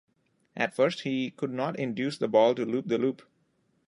At first he could not induce the ball to loop the loop.